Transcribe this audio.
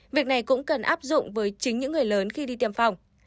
việc này cũng cần áp dụng với chính những người lớn khi đi tiêm phòng